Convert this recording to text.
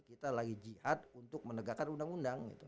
kita lagi jihad untuk menegakkan undang undang